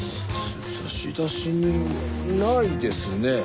差出人はないですね。